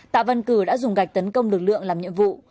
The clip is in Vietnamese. tạ văn cử đã dùng gạch tấn công lực lượng làm nhiệm vụ